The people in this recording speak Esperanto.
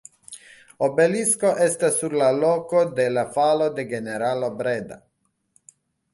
Obelisko estas sur la loko de la falo de generalo Breda.